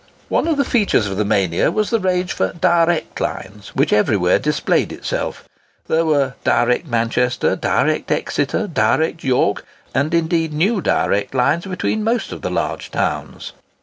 One of the features of the mania was the rage for "direct lines" which everywhere displayed itself. There were "Direct Manchester," "Direct Exeter," "Direct York," and, indeed, new direct lines between most of the large towns.